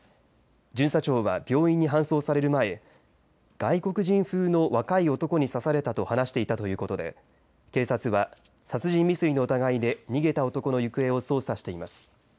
巡査長は病院に搬送される前外国人風の若い男に刺されたと話していたということで警察は殺人未遂の疑いで逃げた男の行方を捜査しています。